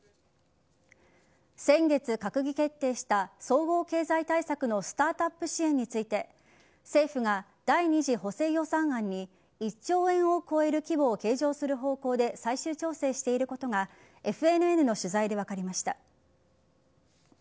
先月、閣議決定した総合経済対策のスタートアップ支援について政府が第２次補正予算案に１兆円を超える規模を計上する方向で最終調整していることがＦＮＮの取材で分かりました。